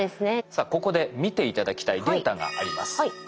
さあここで見て頂きたいデータがあります。